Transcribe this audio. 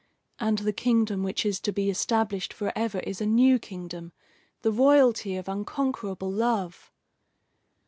And the kingdom which is to be established forever is a new kingdom, the royalty of unconquerable love.